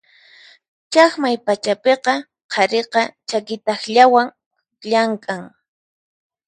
Chaqmay pachapiqa qhariqa chaki takllawan llamk'an.